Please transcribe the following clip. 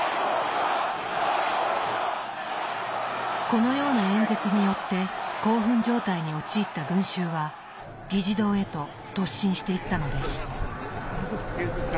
このような演説によって興奮状態に陥った群衆は議事堂へと突進していったのです。